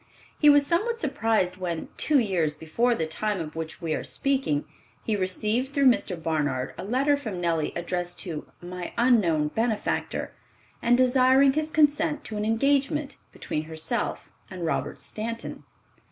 He was somewhat surprised when, two years before the time of which we are speaking, he received through Mr. Barnard a letter from Nellie addressed to, "My unknown benefactor," and desiring his consent to an engagement between herself and Robert Stanton.